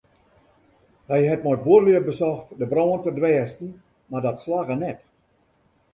Hy hat mei de buorlju besocht de brân te dwêsten mar dat slagge net.